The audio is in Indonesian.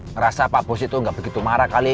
ngerasa pak bos itu nggak begitu marah kali